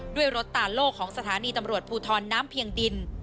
ด้วยรถตาโล่ของสถานีตำรวจภูทรน้ำเพียงดิน